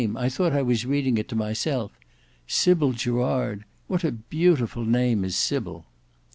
I thought I was reading it to myself. Sybil Gerard! What a beautiful name is Sybil!"